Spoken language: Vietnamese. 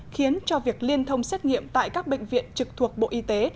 khiến cho việc liên thông xét nghiệm tại các bệnh viện trực thuộc bộ y tế